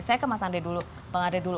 saya ke mas andre dulu